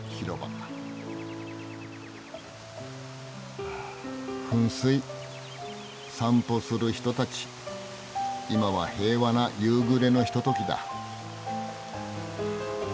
あ噴水散歩する人たち今は平和な夕暮れのひとときだ。